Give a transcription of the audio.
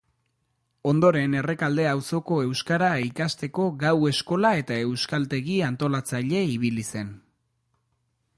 Ondoren Errekalde auzoko euskara ikasteko gau-eskola eta euskaltegi-antolatzaile ibili zen.